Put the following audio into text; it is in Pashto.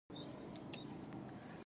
نظامونه هم ممکن نیمګړتیاوې ولري.